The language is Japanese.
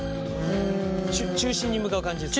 ちゅ中心に向かう感じですか？